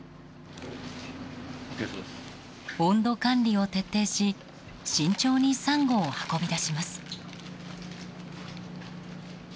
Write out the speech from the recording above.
温度管理を徹底し慎重にサンゴを運び出します。